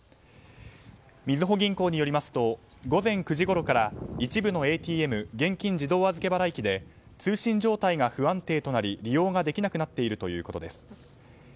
みずほ銀行によりますと午前９時ごろから一部のＡＴＭ・現金自動預払機で通信状態が不安定となり利用ができなくなっているということです。